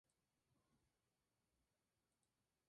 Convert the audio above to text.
Tras su retirada se ha destacado como gestor y dirigente deportivo.